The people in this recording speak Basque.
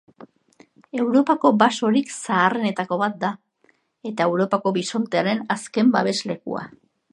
Europako basorik zaharrenetako bat da eta Europako bisontearen azken babeslekua.